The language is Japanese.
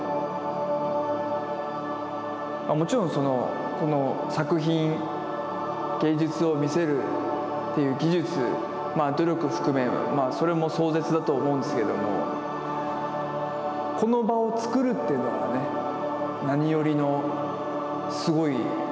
もちろんそのこの作品芸術を見せるっていう技術努力含めそれも壮絶だと思うんですけどもこの場をつくるっていうのがね何よりのすごいっていうか。